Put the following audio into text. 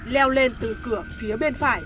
leo lên từ cửa phía bên phải